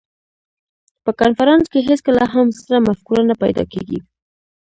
په کنفرانس کې هېڅکله هم ستره مفکوره نه پیدا کېږي.